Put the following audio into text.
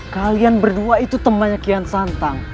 kalian berdua itu temannya kian santang